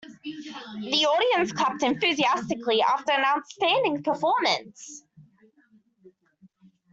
The audience clapped enthusiastically after an outstanding performance.